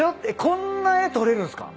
こんな絵撮れるんすか？